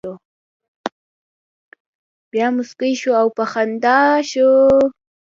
بیا مسکی شو او په خندا شو.